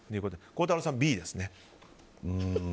孝太郎さん、Ｂですね。